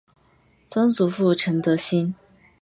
曾祖父陈德兴。